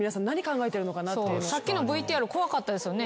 さっきのＶＴＲ怖かったですよね。